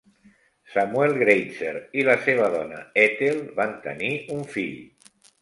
Samuel Greitzer i la seva dona Ethel van tenir un fill.